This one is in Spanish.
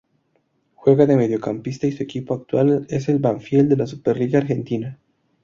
Juega de mediocampista y su equipo actual es el Banfield de la Superliga Argentina.